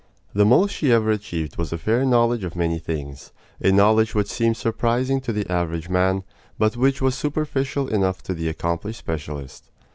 The most she ever achieved was a fair knowledge of many things a knowledge which seemed surprising to the average man, but which was superficial enough to the accomplished specialist.